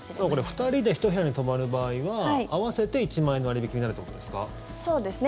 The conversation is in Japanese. これ２人で１部屋に泊まる場合は合わせて１万円の割引になるということですか？